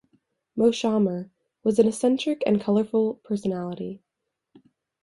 Moshammer was an eccentric and colorful personality.